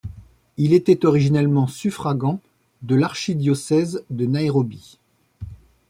Il était originellement suffragant de l'archidiocèse de Nairobi.